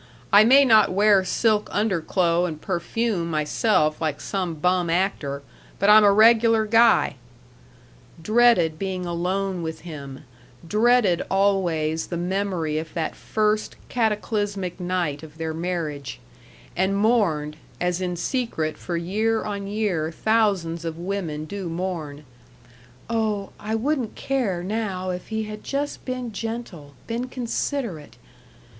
I may not wear silk underclo' and perfume myself like some bum actor, but I'm a regular guy"; dreaded being alone with him; dreaded always the memory of that first cataclysmic night of their marriage; and mourned, as in secret, for year on year, thousands of women do mourn. "Oh, I wouldn't care now if he had just been gentle, been considerate....